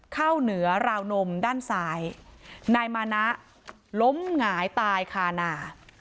เหนือราวนมด้านซ้ายนายมานะล้มหงายตายคานา